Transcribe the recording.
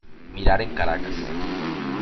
Mirar en Caracas.